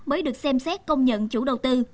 mới được xem xét công nhận chủ đầu tư